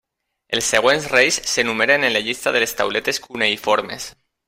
Els següents reis s'enumeren en la llista de les tauletes cuneïformes.